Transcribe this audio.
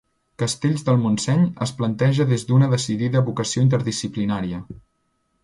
Castells del Montseny es planteja des d'una decidida vocació interdisciplinària.